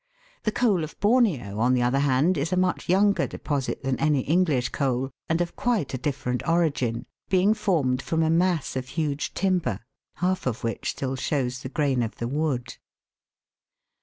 The coal of Borneo, on the other hand, is a much younger deposit than any English coal, and of quite a different origin, being formed from a mass of huge timber, half of which still shows the grain of the wood.